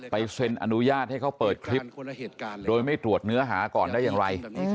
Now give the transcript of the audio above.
เซ็นอนุญาตให้เขาเปิดคลิปโดยไม่ตรวจเนื้อหาก่อนได้อย่างไร